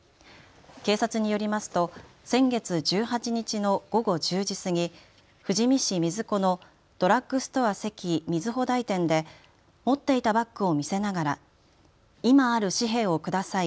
警察によりますと先月１８日の午後１０時過ぎ、富士見市水子のドラッグストアセキみずほ台店で持っていたバッグを見せながら今ある紙幣をください。